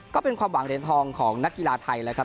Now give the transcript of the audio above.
ก็เป็นความหวังเด็นทองของนักกีฬาไทยนะครับ